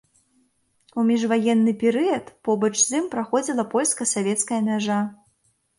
У міжваенны перыяд побач з ім праходзіла польска-савецкая мяжа.